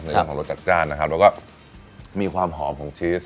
เรื่องของรสจัดจ้านนะครับแล้วก็มีความหอมของชีส